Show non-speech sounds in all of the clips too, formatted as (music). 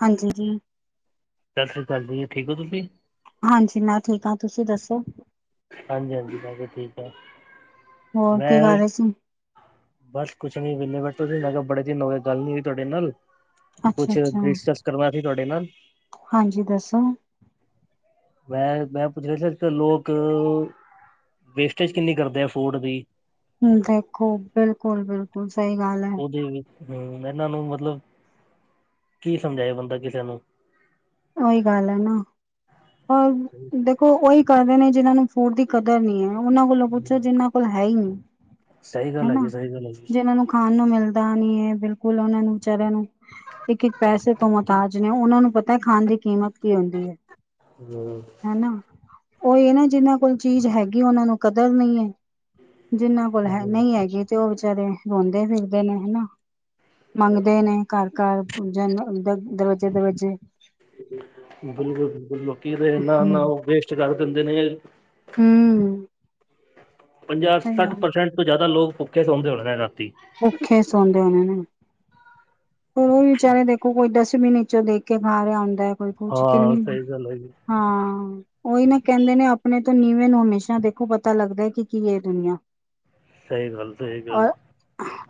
ਹਾਂਜੀ ਜੀ, (unintelligible) ਦੀਏ ਠੀਕ ਔ ਤੁਸੀਂ? ਹਾਂਜੀ ਮੈਂ ਠੀਕ ਆ, ਤੁਸੀਂ ਦੱਸੋ? ਹਾਂਜੀ-ਹਾਂਜੀ ਬਸ ਠੀਕ ਆ। ਹੋਰ ਕੀ ਮੈਂ ਕਰ ਵੀ ਰਹੇ ਸੀ ਬਸ ਕੁਛ ਨਹੀਂ ਵਿਹਲੇ ਬੈਠੇ, ਸੀ ਮੈਂ ਕਿਹਾ ਬੜੇ ਦਿੰਨ ਹੋ ਗਏ ਗੱਲ ਨੀ ਸੀ ਤੁਹਾਡੇ ਨਾਲ, ਕੁਛ ਅੱਛਾ-ਅੱਛਾ, ਡਿਸਕਸ ਕਰਨਾ ਸੀ ਤੁਹਾਡੇ ਨਾਲ ਹਾਂਜੀ ਦੱਸੋ? ਮੈਂ-ਮੈਂ ਪੁੱਛ ਰਿਹਾ ਸੀ ਅੱਜ ਕੱਲ ਲੋਕ ਵੇਸਟੇਜ ਕਿੰਨੀ ਕਰਦੇ ਆ ਫੂਡ ਦੀ। ਦੇਖੋ ਬਿਲਕੁਲ ਬਿਲਕੁਲ ਸਹੀ ਗੱਲ ਹੈ, ਹੂੰ ਇਹਨਾਂ ਨੂੰ ਮਤਲਬ ਕੀ ਸਮਝਾਇਆ ਬੰਦਾ ਕਿਸੇ ਨੂੰ, ਉਹੀ ਗੱਲ ਹੈ ਨਾ ਪਰ ਦੇਖੋ ਉਹੀ ਕਰਦੇ ਨੇ, ਜਿਨ੍ਹਾਂ ਨੂੰ ਫੂਡ ਦੀ ਕਦਰ ਨਹੀਂ ਹੈ। ਉਹਨਾਂ ਕੋਲੋਂ ਪੁੱਛੋ ਜਿਨਾ ਕੋਲ ਹੈ ਹੀ ਨਹੀਂ। ਸਹੀ ਗੱਲ ਹਨਾ ਹੈਗੀ ਸਹੀ ਗੱਲ ਹੈਗੀ ਜੇ ਇਹਨਾਂ ਨੂੰ ਖਾਣ ਨੂੰ ਮਿਲਦਾ ਪਤਾ ਨੀ ਹੈ ਬਿਲਕੁਲ ਉਹ ਨੂੰ ਵਿਚਾਰਿਆਂ ਨੂੰ ਇੱਕ ਪੈਸੇ ਤੋਂ ਮਤਾਜ ਨੇ ਉਹਨਾਂ ਨੂੰ ਪਤਾ ਖਾਣ ਦੀ ਕੀਮਤ ਕੀ ਹੁੰਦੀ ਹੈ। ਹੂੰ ਉਹ ਇਹ ਨਾ ਜਿਹਨਾਂ ਕੋਲ ਚੀਜ਼ ਹੈਗੀ ਉਹਨਾਂ ਨੂੰ ਕਦਰ ਨਹੀਂ ਹੈ। ਜਿਹਨਾਂ ਕੋਲ ਹੈ ਨਹੀਂ ਹਮ, ਹੈਗੀ ਤੇ ਉਹ ਵਿਚਾਰੇ ਰੋਂਦੇ ਫਿਰਦੇ ਫਿਰਦੇ ਨੇ ਹਨਾ। ਮੰਗਦੇ ਨੇ ਘਰ ਕਾਰ ਪਜਨ ਦਰਵਾਜੇ ਦਰਵਾਜੇ ਬਿਲਕੁਲ ਬਿਲਕੁਲ ਕਿ ਨਾ ਉਹ ਵੇਸਟ ਕਰਦੇ ਕਰਦੇ ਨੇ ਹੂੰ ਪੰਜਾਹ ਸਹੀ ਸੱਠ ਗੱਲ ਪ੍ਰਸੈਂਟ ਤੋਂ ਜ਼ਿਆਦਾ ਲੋਕ ਭੁੱਖੇ ਸੌੁੰਣਦੇ ਹੋਣੇ ਰਾਤੀ ਭੁੱਖੇ ਸੌਦੇ ਹਨੇ ਨੇ। ਹਨੂੰ ਵੀ ਵਿਚਾਰੇ ਦੇਖੋ ਕੋਈ ਵੀ ਨ ਚੋਂ ਦੇਖ ਕੇ ਖਾ ਰਿਹਾ ਆਉਦਾ ਹੈ। ਕੋਈ ਕੁਛ ਹਾਂ ਕਿੰਨੀ ਸਹੀ ਗੱਲ ਹੈਗੀ ਹਾਂ ਉਹੀ ਨਾ ਕਹਿੰਦੇ ਨੇ ਆਪਣੇ ਤੋਂ ਨੀਵੇਂ ਨੂੰ ਹਮੇ੍ਰਸ਼ਾ ਦੇਖੋ ਪਤਾ ਲੱਗਦਾ ਕਿ ਕੀ ਇਹ ਦੁਨੀਆਂ ਸਹੀ ਗੱਲ ਸਹੀ ਔਰ ਗੱਲ।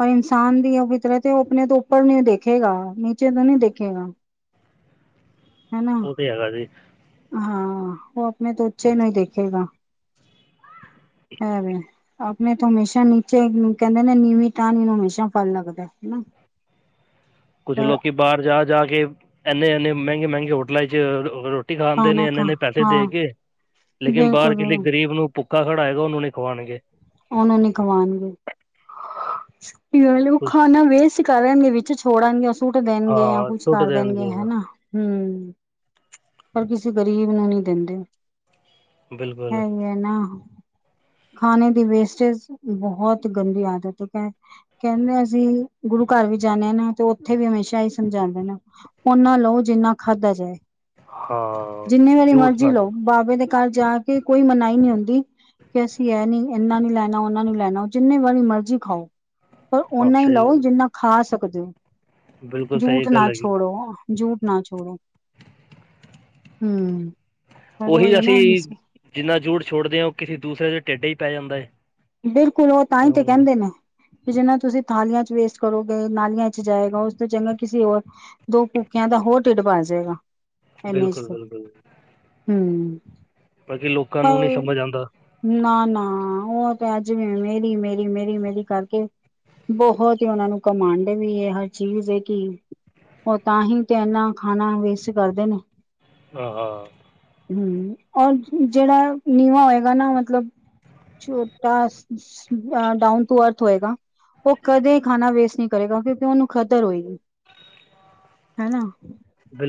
ਔਰ ਇਨਸਾਨ ਦੀ ਉਹ ਫਿਤਰਤ ਐ ਉਹ ਆਪਣੇ ਤੋਂ ਉੱਪਰ ਨੀ ਦੇਖੇਗਾ ਨੀਚੇ ਤੋਂ ਨੀ ਦੇਖੇਗਾ। ਹਨ ਨਾ ਉਹ ਤੇ ਹੈਗਾ ਜੀ ਹਾਂ ਹਾਂ ਉਹ ਆਪਣੇ ਤੋਂ ਉਚੇ ਨੂੰ ਹੀ ਦੇਖੇਗਾ ਹਾਂ। ਆਪਣੇ ਤੋਂ ਹਮੇਸ਼ਾ ਨੀਚੇ ਕਹਿੰਦੇ ਨੇ ਨੀਵੀਂ ਟੇਣੀ ਨੂੰ ਹਮੇਸ਼ਾ ਫਲ ਲੱਗਦਾ ਹਨਾ। ਕੁੱਛ ਪਰ ਲੋਕੀ ਬਾਹਰ ਜਾ ਜਾ ਕੇ ਐੰਨੇ ਐਨੇ ਮਹਿੰਗੇ ਮਹਿੰਗੇ ਹੋਟਲਾ ਚ ਰੋਟੀ ਖਾਂਦੇ ਖਾਣਾ ਨੇ ਇੰਨੇ ਖਾ ਨੇ ਪੈਸੇ ਹਾਂ ਦੇ ਕੇ ਲੇਕਿਨ ਬਾਹਰ ਬਿਲਕੁਲ ਕਿਸੇ ਗ਼ਰੀਬ ਨੂੰ ਭੁਖਾ ਖੜਾ ਹੋਏਗਾ ਉਹਨੂੰ ਨੀ ਖਵਾਉਣਗੇ। ਉਹਨੂੰ ਨੀ ਖਵਾਉਣਗੇ। ਉਹ ਕੁਛ ਖਾਣਾ ਵੇਸਟ ਕਰਨਗੇ ਵਿੱਚ ਛੋੜਣਗੇ ਸੁੱਟ ਦੇਣਗੇ ਜਾਂ ਹਾਂ ਕੁਛ ਸੁੱਟ ਕਰ ਦੇਣਗੇ ਹਨਾ ਹੂੰ ਕਿਸੇ ਗ਼ਰੀਬ ਨੂੰ ਨਹੀਂ ਦਿੰਦੇ ਬਿਲਕੁਲ ਹੈ਼ ਹੈ ਨਾ ਖਾਣੇ ਦੀ ਵੇਸਟੇਜ ਬਹੁਤ ਗੰਦੀ ਆਦਤ ਕ ਹੈ ਕਹਿੰਦੇ ਅਸੀਂ ਗੁਰੂ ਘਰ ਵੀ ਜਾਂਦੇ ਹਾਂ ਨਾ ਤੇ ਉੱਥੇ ਵੀ ਹਮੇਸ਼ਾ ਹੀ ਸਮਝਾਉਂਦੇ ਨੇ ਓਨਾ ਲਓ ਜਿੰਨਾ ਖਾਧਾ ਜਾਏ ਹਾਂ ਜਿੰਨੀ ਵਾਰੀ ਜੂਠ ਮਰਜ਼ੀ ਨਾ ਲਓ ਬਾਬੇ ਦੇ ਘਰ ਜਾ ਕੇ ਕੋਈ ਮਨਾਹੀ ਨਹੀਂ ਹੁੰਦੀ ਕਿ ਅਸੀਂ ਇਹ ਨੀ ਇਹਨਾ ਨੀ ਲੈਣਾ ਉਹਨਾ ਨੂੰ ਲੈਣਾ ਜਿੰਨੇ ਵਾਰੀ ਮਰਜ਼ੀ ਖਾਓ ਪਰ ਹਾਂ ਓਨਾ ਹੀ ਸਹੀ ਲਉ ਗੱਲ ਜਿੰਨਾ ਖਾ ਸਕੇ ਕੁ ਦਿ ਬਿਲਕੁਲ (unintelligible) ਸਹੀ ਜੂੱਠ ਗੱਲ ਨਾ ਹੈਗੀ ਛੋੜੋ ਜੂਠ ਨਾ ਛੋੜੋ ਹਮ ਪਰ ਉਹ ਉਹੀ ਇਹ ਅਸੀਂ ਨਾ ਜਿੰਨਾ ਜੂਠ ਛੋੜਦੇ ਹਾਂ ਉਹ ਕਿਸੇ ਦੂਸਰੇ ਟੇਡਾ ਹੀ ਪੈ ਜਾਂਦਾ ਏ ਬਿਲਕੁੱਲ ਉਹ ਤਾਂ ਹੀ ਤੇ ਕਹਿੰਦੇ ਨੇ ਜਿੰਨਾ ਤੁਸੀਂ ਥਾਲੀਆਂ ਚ ਵੇਸਟ ਕਰੋਗੇ ਨਾਲੀਆਂ ਚ ਜਾਏਗਾ ਉਸ ਤੋਂ ਚੰਗਾ ਕਿਸੇ ਹੋਰ ਦੋ ਭੂੱਖਿਆਂ ਦਾ ਹੋਰ ਢਿੱਡ ਭਰ ਜਾਏਗਾ ਨੇ ਬਿਲਕੁਲ ਬਿਲਕੁਲ ਹਮ (unintelligible) ਬਾਕੀ ਲੋਕਾਂ ਨੂੰ ਪਰ ਨਹੀਂ ਸਮੱਝ ਆਉਂਦਾ ਨਾ ਨਾ ਉਹ ਤੇ ਅੱਜ ਵੀ ਮੇਰੀ ਮੇਰੀ ਮੇਰੀ ਮੇਰੀ ਕਰਕੇ ਬਹੁੱਤ ਹੀ ਉਹਨਾਂ ਨੂੰ ਘੰਮਡ ਵੀ ਇਹ ਹ ਚੀਜ਼ ਕਿ ਉਹ ਤਾਂ ਹੀ ਤੇ ਇਨਾ ਖਾਣਾ ਵੇਸਟ ਕਰਦੇ ਨੇ ਹਹ ਹ ਹਮ ਔਰ ਜਿਹੜਾ ਨੀਵਾਂ ਹੋਏਗਾ ਨਾ ਮੱਤਲਬ ਚ ਡਾਊਨ ਟੂ ਅਰਥ ਹੋਏਗਾ ਉਹ ਕਦੇ ਖਾਣਾ ਵੇਸਟ ਨਹੀਂ ਕਰੇਗਾ ਕਿਉਂਕਿ ਉਹਨੂੰ ਕਦਰ ਹੋਏਗੀ ਹਨਾ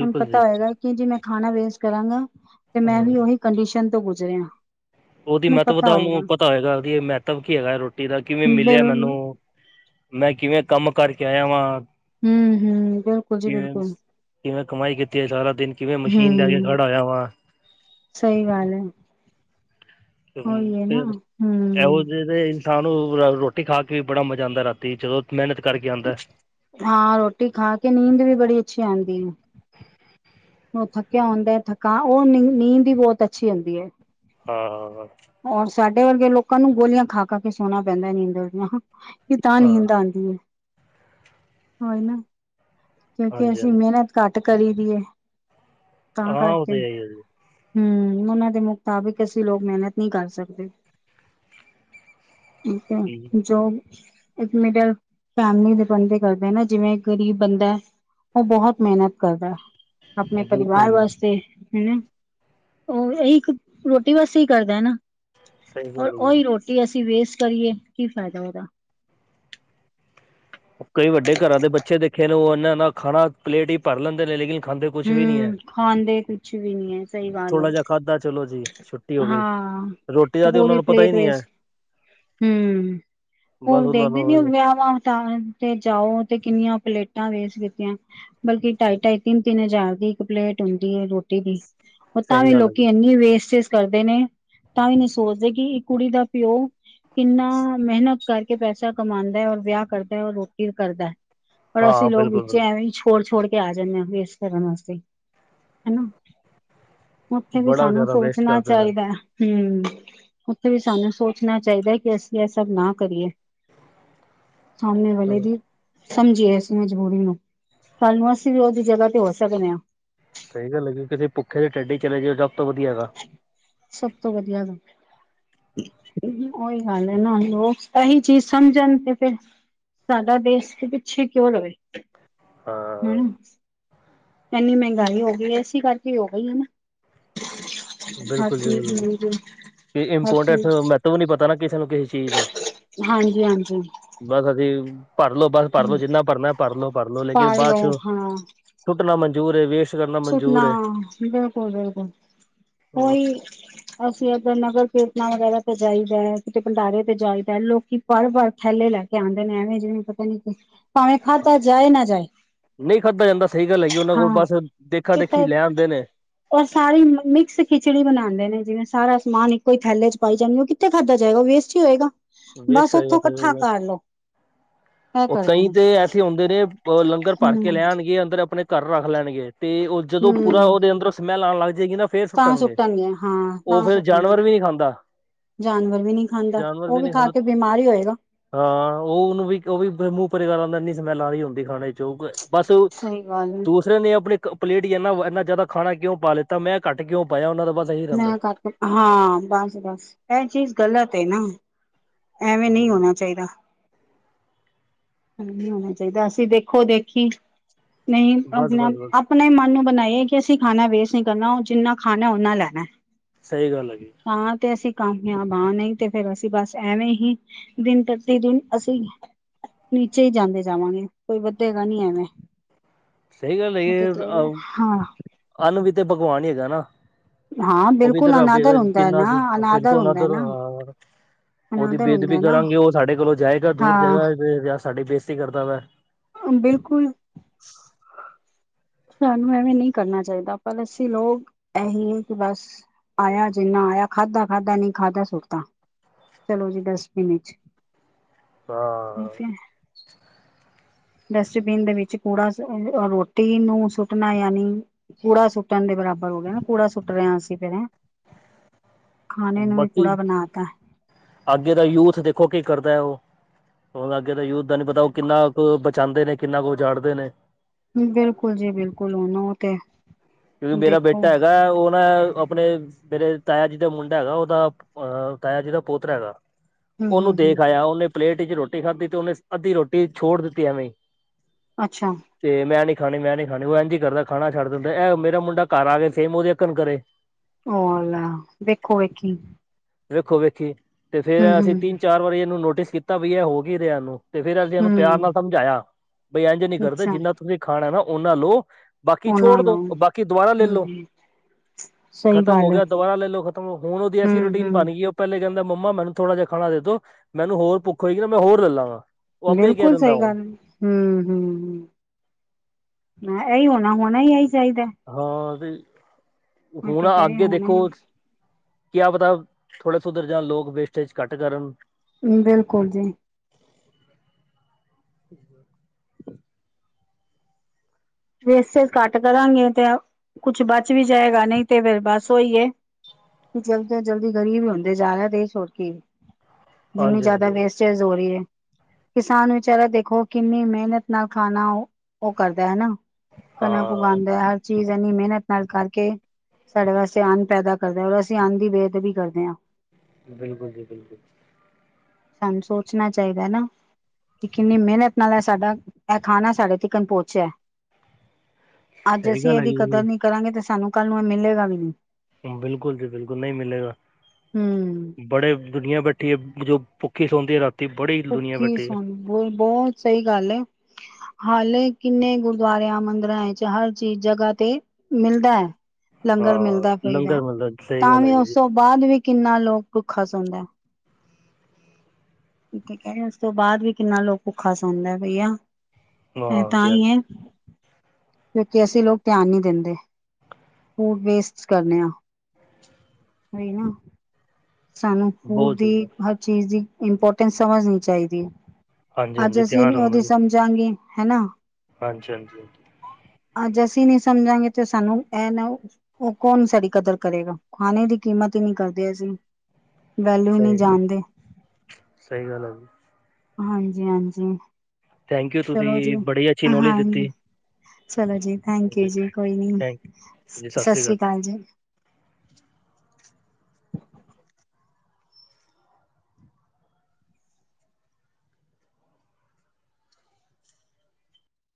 ਉਹਨੂੰ ਪਤਾ ਜੀ ਹੋਏਗਾ ਕਿ ਜੀ ਮੈਂ ਖਾਣਾ ਵੇਸਟ ਕਰਾਂਗਾ ਤੇ ਮੈਂ ਹਾਂ ਵੀ ਉਹੀ ਕੰਡੀਸ਼ਨ ਤੋਂ ਗੁਜ਼ਰਿਆ ਉਹਦੀ ਮੈਨੂੰ ਪਤਾ ਮਹੱਤਵਤਾ ਹੋਏਗਾ ਉਹਨੂੰ ਪਤਾ ਹੈਗਾ ਮਹਤਵ ਕੀ ਹੈਗਾ ਰੋਟੀ ਦਾ ਕਿਵੇਂ ਮਿਲਿਆ ਬਿਲ ਹਮ ਮੈਨੂੰ ਮੈਂ ਕਿਵੇਂ ਕੰਮ ਕਰਕੇ ਆਇ ਵਾਂ ਹਮ ਬਿਲਕੁਲ ਜੀ ਕਿਵੇਂ ਬਿਲਕੁਲ ਕਿਵੇਂ ਕਮਾਈ ਕੀਤੀ ਹੈ ਸਾਰਾ ਦਿਨ ਕਿਵੇਂ ਮਸ਼ੀਨ ਦੇ ਆ ਕੇ ਹਮ ਖੜੜ ਹੋਇਆ ਵਾ ਸਹੀ ਗੱਲ ਹੈ ਫ ਉਹੀ ਹੈ ਨਾ ਹਮ ਇਹੋ ਜਿਹੇ ਦੇ ਇਨਸਾਨ ਨੂੰ ਰੋਟੀ ਖਾ ਕੇ ਵੀ ਬੜਾ ਮਜ਼ਾ ਆਉਂਦਾ ਰਾਤੀ ਚਲੋ ਮਿਹਨਤ ਕਰਕੇ ਆਉਂਦਾ ਹਾਂ ਰੋਟੀ ਖਾ ਕੇ ਨੀਂਦ ਵੀ ਬੜੀ ਅੱਛੀ ਆਉਂਦੀ ਹੈ ਉਹ ਥੱਕਿਆ ਹੁੰਦਾ ਹੈ ਥੱਕਾ ਉਹ ਨੀ ਨੀਂਦ ਹੀ ਬਹੁਤ ਅੱਛੀ ਹੁੰਦੀ ਹੈ ਹਾਂ ਹਾਂ ਹਾਂ ਔਰ ਸਾਡੇ ਵਰਗੇ ਲੋਕਾਂ ਨੂੰ ਗੋਲੀਆਂ ਖਾ ਕਰ ਕੇ ਸੋਣਾ ਪੈਂਦਾ ਨੀ ਅੰਦਰ ਦੀਆਂ ਇਹ ਤਾਂ ਹਾਂ ਨਹੀਂੀ ਹੁੰਦਾ ਆਉਂਦੀ ਹੈ (unintelligible) ਕਿਉਂਕਿ ਹਾਂਜੀ ਅਸੀਂ ਹਾਂਜੀ ਮਿਹਨਤ ਕਰ ਕਰੀ ਦੀ ਹੈ ਤਾਂ ਹਾਂ ਉਹ ਕਰਕੇ ਤੇ ਹੈ ਹੀ ਹੈ ਹਮ ਉਹਨਾਂ ਦੇ ਮੁਤਾਬਿਕ ਅਸੀਂ ਲੋਕ ਮਿਹਨਤ ਨਹੀਂ ਕਰ ਸਕਦੇ ਜੀ ਓਕ ਜੋਬ ਇੱਕ ਮਿਡਲ ਫੈਮਲੀ ਦੇਦੇ ਕਰਦੇ ਨਾ ਜਿਵੇਂ ਗਰੀਬ ਬੰਦਾ ਉਹ ਬਹੁਤ ਮਿਹਨਤ ਕਰਦਾ ਆਪਣੇ ਪਰਿਵਾਰ ਬਿਲਕੁਲ ਵਾਸਤੇ ਹੂ ਉਹ ਇਹੀ ਇੱਕ ਰੋਟੀ ਵਸ ਕਰ ਨਾ ਸਹੀ ਗੱਲ ਹੈ ਜੀ ਉਹੀ ਰੋਟੀ ਅਸੀ ਵੇਸਟ ਕਰੀਏ ਕੀ ਫ਼ਾਇਦਾ ਉਹਦਾ ਕਈ ਵੱਡੇ ਘਰਾਂ ਦੇ ਬੱਚੇ ਦੇਖੇ ਨੇ ਉਹ ਇਹਨਾਂ ਨਾ ਖਾਣਾ ਪਲੇਟ ਹੀ ਭਰ ਲੈਂਦੇ ਨੇ ਲੇਕਿਨ ਖਾਂਦੇ ਕੁਛ ਵੀ ਨੀ ਹੈ ਹਮ ਖਾਂਦੇ ਕੁਛ ਵੀ ਨਹੀਂੀ ਹੈ ਸਹੀ ਗੱਲ ਥੋੜਾ ਹੈ ਜਿਹਾ ਖਾਧਾ ਚਲੋ ਜੀ ਛੁੱਟੀ ਹੋ ਗਈ ਹਾਂ ਰੋਟੀ ਦਾ ਤੇ ਉਹਨਾਂ ਪੂਰੀ ਨੂੰ ਪਤਾ ਹੀ ਪਲੇਟ ਨਹੀਂ ਹੈ ਵੇਸ ਹਮ ਬਸ ਉਹ ਉਹਨਾਂ ਦੇਖਦੇਦੀ ਨੂੰ ਵਿਆਹ ਵਹ ਤਾਂ ਤੇ ਜਾਓ ਤੇ ਕਿੰਨੀਆਂ ਪਲੇਟਾਂ ਵੇਸਟ ਕੀਤੀਆਂ ਬਲਕਿ ਢਾਈ ਢਾਈ ਤਿੰਨ ਤਿੰਨ ਹਜ਼ਾਰ ਦੀ ਇੱਕ ਪਲੇਟ ਹੁੰਦੀ ਹੈ ਰੋਟੀ ਦੀ ਉਹ ਸਹੀ ਤਾਂਵੇ ਗੱਲ ਹੈ ਲੋਕੀ ਜੀ ਇੰ ਚ ਕਰਦੇ ਨੇ ਤਾਂ ਵੀ ਨਹੀਂ ਸੋਚਦੇ ਕਿ ਇੱਕ ਕੁੜੀ ਦਾ ਪਿਓ ਕਿੰਨਾ ਮਿਹਨਤ ਕਰਕੇ ਪੈਸਾ ਕਮਾਉਦਾ ਹੈ ਔਰ ਵਿਆਹ ਕਰਦਾ ਹੈ ਉਹਰ ਰੋਟੀ ਕਰਦਾ ਪਰ ਹਾਂ ਅਸੀਂ ਲੋਕ ਬਿਲਕੁਲ ਵਿੱਚ ਬਿਲਕੁਲ ਐਵੇਂ ਹੀ ਛੋੜ ਛੋੜ ਕੇ ਆ ਜਾਂਦੇ ਵੇਸਟ ਕਰਨ ਵਾਸਤੇ ਹਨਾ ਕਿਊ ਵੀਰਜੀ ਬੜਾ ਸਾਨੂੰ ਜ਼ਿਆਦਾ ਵੇਸਟ ਸੋਚਣਾ ਕਰਦੇ ਨੇ ਚਾਹੀਦਾ ਹਮ ਉੱਥੇ ਵੀ ਸਾਨੂੰ ਸੋਚਣਾ ਚਾਹੀਦਾ ਕਿ ਅਸੀਂ ਇਹ ਸਭ ਨਾ ਕਰੀਏ ਸਮਣੇ ਵਾਲੇ ਹੂੰ ਦੀ ਸਮਝੀਏ ਇਸ ਮਜਬੂਰੀ ਨੂੰ ਸਾਨੂੰ ਅਸੀਂ ਵੀ ਉਹਦੀ ਜਗ੍ਹਾ ਤੇ ਹੋ ਸਕਦੇ ਹਾਂ ਕਿਵੇਂ ਦੀ ਹੈ (unintelligible) ਸਭ ਤੋਂ ਵਧੀਆ ਇਨੀ ਆਇਲ ਗੱਲ ਨਾ ਲੋਕ ਤਾਂਹੀ ਚੀਜ਼ ਸਮਝਣ ਤੇ ਫਿਰ ਸਾਡਾ ਦੇਸ਼ ਪਿੱਛੇ ਕਿਉਂ ਰਹੇ ਹਾਂ ਹਮ ਇੰਨੀ ਮਹਿੰਗਾਈ ਹੋ ਗਈ ਇਸੇ ਕਰਕੇ ਹੋ ਗਈ ਹੈ ਨਾ। ਹਰ ਬਿਲਕੁਲ ਜੀ ਚੀਜ਼ ਬਿਲਕੁਲ ਤੇ ਹਰ ਇੰਪੋਰਟੈਂਸ ਚੀਜ਼ ਮੈ ਤੋਂ ਵੀ ਨੀ ਪਤਾ ਨਾ ਕਿਸ ਕਿਸ -ਕਿਸ ਚੀਜ਼ ਦਾ ਹਾਂਜੀ-ਹਾਂਜੀ ਬਸ ਅਸੀਂ ਭਰ ਲਓ ਬਸ ਭਰ ਹੂੰ ਲਓ ਜਿੰਨਾ ਭਰਨਾ ਭਰ ਲ ਲੋ ਭਰ ਲ ਲੋ ਲੇਕਿਨ ਪਾਲ ਬਾਅਦ ਲਓ ਚੋਂ ਸੁੁੱਟਣਾ ਮੰਜ ਜੂਰੇ ਵੇਸ਼ ਸੁਪਨਾ ਬਿਲਕੁਲ- ਬਿਲਕੁਲ ਹਾਂ, ਹੋਈ ਅਸੀਂ ਇਧਰ ਨਗਰ ਪੇਤਾਂ ਵਗੈਰਾ ਤੇ ਜਾਈਦਾ ਕਿਤੇ ਭੰਡਾਰੇ ਤੇ ਜਾਈਦਾ ਲੋਕੀ ਭਰ ਭਰ ਥੈਲੇ ਲੈ ਕੇ ਆਂਦੇ ਨੇ ਐਵੇਂ ਜਿਵੇਂ ਪਤਾ ਨੀ ਭਾਵੇਂ ਖਾਧਾ ਜਾਏ ਨਾ ਜਾਏ। ਨਹੀਂ ਖਾਧਾ ਜਾਂਦਾ ਸਹੀ ਗੱਲ ਹੈਗੀ, ਉਹਨਾਂ ਕੋਲ ਬਸ ਦੇਖ ਕਿ ਰ ਸਾਰੀ ਮਿਕਸ ਖਿਚੜੀ ਬਣਾਂਦੇ ਨੇ। ਜਿਵੇਂ ਸਾਰਾ ਸਮਾਨ ਇੱਕੋ ਹੀ ਥੈਲੇ ਚ ਪਾਈ ਜਾਂਦੀ, ਉਹ ਕਿੱਥੇ ਖਾਧਾ ਜਾਏਗਾ ਵੇਸਟ ਹੀ ਹੋਏਗਾ। ਵੇਸਟ ਬਸ ਉੱਥੋਂ ਇਕੱਠਾ ਕਰੇਗਾ ਕਰ ਲਓ ਇਹ ਉਹ ਕਰਦੇ ਕਈ ਨੇ ਤੇ ਐਸੇ ਹੁੰਦੇ ਨੇ ਲੰਗਰ ਭਰ ਕੇ ਹਮ ਲੈਣਗੇ ਅੰਦਰ ਆਪਣੇ ਘਰ ਰੱਖ ਲੈਣਗੇ। ਤੇ ਉਹ ਜਦੋਂ ਪੂਰਾ ਹਮ ਉਹਦੇ ਅੰਦਰ ਸਮੈਲ ਆਣ ਲੱਗ ਜਾਏਗੀ ਨਾ ਫੇਰ ਤਾਂ ਸੁੱਟਣਗੇ ਹਾਂ ਉਹ ਤਾਂ ਫੇਰ ਸੁੱਟਣਗੇ ਜਾਨਵਰ ਵੀ ਨਹੀਂ ਖਾਂਦਾ ਜਾਨਵਰ ਵੀ ਨਹੀਂ ਖਾਂਦਾ ਜਾਨਵਰ ਉਹ ਵੀ ਨਹੀਂ ਖਾ ਖਾਂਦਾ ਕੇ ਬਿਮਾਰ ਹੀ ਹੋਏਗਾ। ਹਾਂ ਉਹਨੂੰ ਵੀ ਉਹ ਵੀ ਮੂੰਹ ਭਰ ਘਰ ਆਂਦਾ ਇੰਨੀ ਸਮੈਲ ਆਂਦੀ ਹੁੰਦੀ ਖਾਣੇ ਚੋਂ ਬਸ ਸਹੀ ਗੱਲ ਹੈ। ਦੂਸਰੇ ਨੇ ਆਪਣੇ ਪਲੇਟ ਹੀ ਇੰਨਾ- ਇੰਨਾ ਜ਼ਿਆਦਾ ਖਾਣਾ ਕਿਉਂ ਪਾ ਲਿੱਤਾ ਮੈਂ ਘੱਟ ਕਿਉਂ ਪਾਇਆ ਉਹਨਾਂ ਤੋ ਮੈਂ ਹਾਂ ਬਸ- ਬਸ ਇਹ ਚੀਜ਼ ਗਲਤ ਹੈ ਨਾ। ਐਵੇਂ ਨਹੀਂ ਹੂੰ ਹੋਣਾ ਚਾਹੀਦਾ। ਨੀ ਹੋਣਾ ਚਾਹੀਦਾ, ਅਸੀਂ ਦੇਖੋ ਦੇਖੀ ਨਹੀਂ ਬਸ ਆਪਣਾ ਬਸ ਬਸ -ਆਪਣੇਹੀ ਮਨ ਨੂੰ ਬਣਾਏ ਇਹ ਕਿ ਅਸੀਂ ਖਾਣਾ ਵੇਸਟ ਨਹੀਂ ਕਰਨਾ, ਉਹ ਜਿੰਨਾ ਖਾਣਾ ਉਹਨਾ ਲੈ ਲੇ ਅਹੰ ਸਹੀ ਗੱਲ ਹੈਗੀ। ਕਾਮਯਾਬ ਆ ਨਹੀਂ ਤੇ ਫੇਰ ਅਸੀਂ ਬਸ ਐਵੇਂ ਹੀ ਦਿਨ ਪ੍ਰਤੀ ਦਿਨ ਅਸੀਂ ਨੀਚੇ ਹੀ ਜਾਂਦੇ ਜਾਵਾਂਗੇ, ਕੋਈ ਵਧੇਗਾ ਨਹੀ ਐਵੇਂ। ਸਹੀ ਗੱਲ ਹੈ ਹਾਂ ਅੰਨ ਵੀ ਤੇ ਭਗਵਾਨ ਹੀ ਹੈਗਾ ਨਾ। ਹਾਂ ਉਹ ਵੀ ਬਿਲਕੁਲ ਅਨਾਦਰ ਇਧਰੇ ਹੁੰਦਾ ਹੈ ਕਿੰਨਾ ਨਾ ਸੀ ਬਿਲਕ ਅਨਾਦਰ ਹੁੰਦਾ ਹੈ ਨਾਧਰ ਨਾ। ਉਹਦੀ ਅਨਾਦਰ ਹੁੰਦਾ ਬੇਅਦਬੀ ਹੈ ਨਾ ਕਰਾਂਗੇ ਉਹ ਸਾਡੇ ਕੋਲੋਂ ਜਾਏ ਓਹ ਦੂਰ ਹਾਂ ਜਗ੍ਹਾ ਵੇ ਵਿਆ। ਇਹ ਸਾਡੀ ਬੇਇਜ਼ਤੀ ਕਰਦਾ ਵਾ। ਬਿਲਕੁਲ। ਸਾਨੂੰ ਐਵੇਂ ਨਹੀਂ ਕਰਨਾ ਚਾਹੀਦਾ, ਪਰ ਅੱਸੀਂ ਲੋਕ ਇਹੀ ਹੈ, ਕਿ ਬਸ ਆਇਆ, ਜਿੰਨਾ ਆਇਆ ਖਾਧਾ-ਖਾਧਾ ਨਹੀਂ ਖਾਧਾ ਸੁੱਟਤਾ ਚਲੋ ਜੀ, ਡਸਟਬਿਨ'ਚ ਹਾਂ ਡਸਟਬਿਨ ਦੇ ਵਿੱਚ ਕੂੜਾ, ਰੋਟੀ ਨੂੰ ਸੁੱਟਣਾ ਯਾਨੀ ਕੂੜਾ ਸੁੱਟਣ ਦੇ ਬਰਾਬਰ ਹੋ ਗਿਆਏ, ਨਾ ਕੂੜਾ ਸੁੱਟ ਰਹੇ ਹਾਂ। ਅਸੀਂ ਫੇਰ ਹੈਂ। ਖਾਣੇ ਨੂੰ ਵੀ ਬਾਕੀ ਕੂੜਾ ਬਣਾ ਤਾ ਅੱਗੇ ਦਾ, ਯੂਥ ਦੇਖੋ ਕੀ ਕਰਦਾ, ਉਹ। ਹੁਣ ਅੱਗੇ ਤਾਂ ਯੂਥ ਦਾ ਨੀ ਪਤਾ, ਉਹ ਕਿੰਨਾ ਕੁ ਬਚਾਂਦੇ ਨੇ, ਕਿੰਨਾ ਕੁ ਉਜਾੜਦੇ ਨੇ। ਬਿਲਕੁਲ ਜੀ। ਬਿਲਕੁਲ ਉਹਨੂੰ, ਤੇ ਕਿਉਕਿ ''ਮੇਰਾ ਦੇਖੋ ਬੇਟਾ ਹੈਗਾ ਉਹ ਨਾ ਆਪਣੇ ਮੇਰੇ ਤਾਇਆ ਜੀ ਦਾ ਮੁੰਡਾ ਹੈਗਾ, ਉਹਦਾ ਅਹ ਤਾਇਆ ਜੀ ਦਾ ਪੋਤਰਾ ਹੈਗਾ। ਹੂੰ ਉਹਨੂੰ ਹੂੰ ਹੂੰ ਦੇਖ ਆਇਆ, ਉਹਨੇ ਪਲੇਟ'ਚ ਰੋਟੀ ਖਾਧੀ ਤੇ, ਉਹਨੇ ਅੱਧੀ ਰੋਟੀ ਛੋੜ ਦਿੱਤੀ, ਐਵੇਂ ਅੱਛਾ ਤੇ ਮੈਂਨੀ ਖਾਣੀ ਮੈਂ ਨੀ, ਖਾਣੀ ਉਹ ਇੰਝ ਹੀ ਕਰਦਾ, ਖਾਣਾ ਛੱਡਦੰਦਾ 'ਮੇਰਾ ਮੁੰਡਾ ਘਰ ਆ ਗਿਆ, ਸੇਮ ਉਹਦੇ ਅਕਣ ਕਰੇ। ਓਲਾ, ਦੇਖੋ ਵੇਖੀ ਵੇਖੋ- ਵੇਖੀ। ਤੇ, ਫੇਰ ਹੂੰ ਅਸੀਂ ਹੂੰ ਤਿੰਨ-ਚਾਰ ਵਾਰੀ ਇਹਨੂੰ ਨੋਟਿਸ ਕੀਤਾ ਵੀ ਇਹ ਹੋ ਕੀ ਰਿਹਾ, ਇਹਨੂੰ। ਤੇ, ਫੇਰ ''ਅਸੀਂ ਇਹਨੂੰ ਪਿਆਰ ਹੂੰ ਨਾਲ ਸਮਝਾਇਆ ਬਈ। ਐੰਝ ਨੀ ਕਰਦੇ ਅੱਛਾ ਜਿੰਨਾ ਤੁਸੀਂ ਖਾਣਾ ਨਾ ਉਹਨਾਂ ਨੂੰ ਬਾਕੀ ਛੋੜ ਉਹਨਾਂ ਦੋ ਲਓ ''ਉਹ ਬਾਕੀ ਦੁਬਾਰਾ ਲੇਲੋ ਹੂੰ ਸਹੀ ਖ਼ਤਮ ਹੋ ਗੱਲ ਗਿਆ, ਦੁਬਾਰਾ ਲੇਲੋ। ਖਤਮ ਹੋ, ਹੁਣ ''ਉਹਦੀ ਐਸੀ ਹੂੰ ਰੂਟੀਨ ਹੂੰ ਬਣ ਗਈ, ਉਹ ਪਹਿਲੇ ਕਹਿੰਦਾ ''ਮੰਮਾ ਮੈਨੂੰ ਥੋੜਾ ਜਿਹਾ ਖਾਣਾ ਦੇ- ਦੋ, ਮੈਨੂੰ ਹੋਰ ਭੁੱਖ ਹੋਏਗੀ ਨਾ, ਮੈਂ ਹੋਰ ਲੈ ਲਾਂਗਾ। ਉਹ ਆਪੇ ਹੀ ਕਹਿ ਬਿਲਕੁਲ ਦਿੰਦਾ ਸਹੀ ਹੁਣ ਗੱਲ ਹੈ। ਹੂੰ- ਹੂੰ- ਹੂੰ-ਹੂੰ, ਮੈਂ ਇਹੀ ਹੋਣਾ ਹੁਣਾ ਨਹੀਂ, ਏਈ ਹਾਂ, ਵੀ (inaudible) ਮੈਂ ਹੁਣ, ਤੇ ਕਹਿ ਰਹੀ ਅੱਗੇ ਹੋਣਾ ਦੇਖੋ ਕਿਆ ਪਤਾ। ਥੋੜੇ ਸੁਧਰ ਜਾਣ ਲੋਕ, ਵੇਸਟੇਜ ਘਟ ਕਰਨ ਬਿਲਕੁਲ ਜੀ। (inaudible) ਵੇਸਟੇਜ ਘੱਟ ਕਰਾਂਗੇ ਤੇ, ਕੁਛ ਬੱਚ ਵੀ ਜਾਏਗਾ ਨਹੀ ਤੇ, ਫੇਰ ਬਸ ਉਹੀਏ। ਜਲਦੀ ਤੋਂ ਜਲਦੀ ਗ਼ਰੀਬ ਹੁੰਦੇ ਜਾ ਰਹੇ। ਦੇਸ਼ ਹੋਰ ਕੀ ਇੰਨੀ ਹਾਂਜੀ ਜਿਆਦਾ ਹਾਂਜੀ ਵੇਸਟੇਜ ਹੋ, ਰਹੀ ਹੈ। ਕਿਸਾਨ ਵਿਚਾਰਾ ਦੇਖੋ ਕਿੰਨੀ ਮਿਹਨਤ ਨਾਲ ਖਾਣਾ ਉਹ''ਉਹ ਕਰਦਾ ਹੈਨਾ ਕਨਕ ਹਾਂ ਗਉਦਾ ਹਰ ਚੀਜ਼ ਇਨੀ ਮਿਹਨਤ ਨਾਲ ਕਰਕੇ ਸਾਡੇ ਵਾਸਤੇ ਅਨ ਪੈਦਾ ਕਰਦਾ ਔਰ ਅਸੀ ਅੰਨ ਦੀ ਬੇਦਵੀ ਕਰਦੇ ਹਾਂ ਬਿਲਕੁਲ ਜੀ ਬਿਲਕੁਲ ਸਾਨੂੰ ਸੋਚਣਾ ਚਾਹੀਦਾ ਨਾ ਕਿ ਕਿੰਨੀ ਮਿਹਨਤ ਨਾਲ ਹੈ। ਸਾਡਾ ਇਹ ਖਾਨਾ ਸਾਡੇ ਤਕ ਪੋਚਿਆ ਅੱਜ ਸਹੀ ਅਸੀ ਗੱਲ ਇਹ ਦੀ ਹੈਗੀ ਜੀ ਕਦਰ ਨਹੀ ਕਰਾਂਗੇ ਤੇ ਸਾਨੂੰ ਕੱਲ ਨੂੰ ਇਹ ਮਿਲੇਗਾ ਵੀ ਨਹੀ ਬਿਲਕੁਲ ਜੀ ਬਿਲਕੁਲ ਨਹੀ ਮਿਲੇਗਾ ਹੂੰ। ਬੜੇ ਦੁਨੀਆਂ ਬੈਠੀ ਹੈ। ਜੋ ਕਿ ਸੌਦੇ ਆ ਰਾਤ- ਕੀ ਸੁਣ ਬਹੁਤ ਸਹੀ ਗੱਲ ਹੈ। ਹਾਲੇ ਕਿੰਨੇ ਗੁਰਦੁਆਰਿਆਂ ਮੰ ਚਹਰ ਚੀਜ਼ ਜਗ੍ਹਾ ਤੇ ਮਿਲਦਾ ਹੈ। ਲੰਗਰ ਹਾਂ ਮਿਲਦਾ ਪਹੀਆ ਲੰਗਰ ਮਿਲਦਾ ਸਹੀ ਤਾਂ ਗੱਲ ਹੈ ਵੀ ਉਸ ਜੀ ਤੋਂ ਬਾਅਦ ਵੀ ਕਿੰਨਾ ਲੋਕ ਭੁੱਖਾ ਸੌਦਾ ਹੈ। ਕਹਿ ਰੇ ਉਸ ਤੋਂ ਬਾਅਦ ਵੀ ਕਿੰਨਾ ਲੋਕ ਭੁੱਖਾ ਸੋਦਾ ਹੈ। ਬਈਆ ਹਾਂ ਐਤਾਂ ਜੀ ਹੀ ਹਾਂਜੀ, ਹੈ। ਕਿਉਂ ਕਿ ਅਸੀ ਲੋਕ ਧਿਆਨ ਨਹੀ ਦੇਦੇ ਫੂਡ ਵੇਸਟ ਕਰਨੇ ਆ ਨਾ ਇਹੀ ਨਾ ਸਾਨੂੰ ਫੂਡ ਬਹੁਤ ਦੀ ਜ਼ਿਆਦਾ ਹਰ ਚੀਜ਼ ਦੀ ਇੰਪੋਰਟੈਂਨ ਸਮਝ ਨਹੀ ਚਾਹੀਦੀ ਹਾਂਜੀ ਅੱਜ ਹਾਂਜੀ ਅਸੀ ਧਿਆਨ ਉਹਦੀ ਰੱਖਣਾ ਨਹੀ ਜੀ ਸਮਝਾਂਗੇ ਹਨਨਾ- ਹਾਂਜੀ -ਹਾਂਜੀ- ਅੱਜ ਅਸੀਂ ਨਹੀ ਸਮਝਾਂਗੇ ਤੇ ਸਾਨੂੰ ਇਹ ਨਾ ਉਹ ਕੌਣ ਸਾਡੀ ਕਦਰ ਕਰੇਗਾ ਖਾਣੇ ਦੀ ਕੀਮਤ ਹੀ ਨਹੀ ਕਰਦੇ ਅਸੀ ਵੈਲੂ ਹੀ ਨਹੀ ਸਹੀ ਜਾਣਦੇ ਸਹੀ ਗੱਲ ਹੈ ਜੀ ਹਾਂਜੀ -ਹਾਂਜੀ- ਥੈਂਕ ਯੂ! ਤੁਸੀ ਚਲੋ ਜੀ ਬੜੀ ਅੱਛੀ ਨੌਲੇਜ ਹਾਂਜੀ ਦਿੱਤੀ। ਚਲੋ ਜੀ ਥੈਂਕ ਯੂ ਜੀ, ਕੋਈ ਨੀ, ਥੈਂਕ ਸ ਸਤਿ ਸ੍ਰੀ ਅਕਾਲ ਜੀ।